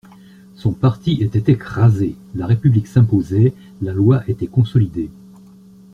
Son parti était écrasé, la République s'imposait, la loi était consolidée.